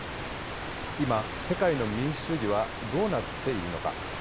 今、世界の民主主義はどうなっているのか。